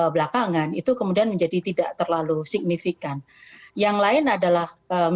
belakangan itu kemudian menjadi tidak terlalu signifikan yang lain adalah